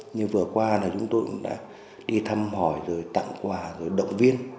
như vừa qua là chúng tôi cũng đã đi thăm hỏi rồi tặng quà rồi động viên